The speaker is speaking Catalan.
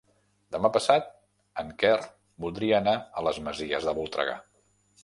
Demà passat en Quer voldria anar a les Masies de Voltregà.